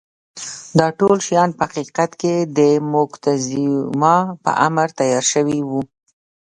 دا ټول شیان په حقیقت کې د موکتیزوما په امر تیار شوي وو.